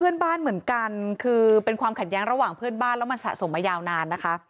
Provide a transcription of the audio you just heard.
เพื่อนบ้านเหมือนกันคือเป็นความขัดแย้งระหว่างเพื่อนบ้านแล้วมันสะสมมายาวนานนะคะ